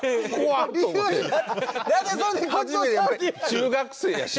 中学生やし